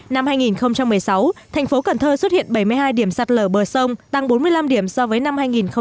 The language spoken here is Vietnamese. năm hai nghìn một mươi sáu thành phố cần thơ xuất hiện bảy mươi hai điểm sạt lở bờ sông tăng bốn mươi năm điểm so với năm hai nghìn một mươi bảy